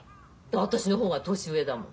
私の方が年上だもん。